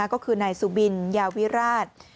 ก็คือนายสุบินยาวิราช